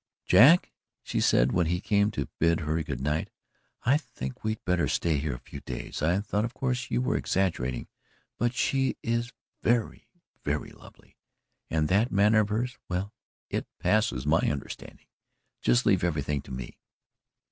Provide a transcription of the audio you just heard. "Jack," she said, when he came to bid her good night, "I think we'd better stay here a few days. I thought of course you were exaggerating, but she is very, very lovely. And that manner of hers well, it passes my understanding. Just leave everything to me."